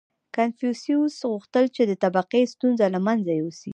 • کنفوسیوس غوښتل، چې د طبقې ستونزه له منځه یوسي.